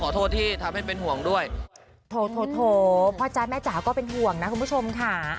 โทพ่อจ๊ะแม่จ๊าก็เป็นห่วงนะคุณผู้ชมค่ะ